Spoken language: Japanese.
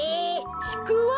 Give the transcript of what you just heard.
ちくわ！